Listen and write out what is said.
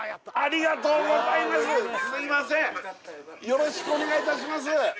☎よろしくお願いします